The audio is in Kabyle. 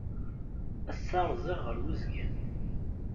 Ass-a rziɣ ɣer Wizgan.